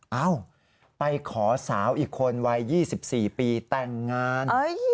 เอ้าไปขอสาวอีกคนวัย๒๔ปีแต่งงาน